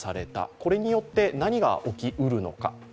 これによって何が起きうるのか。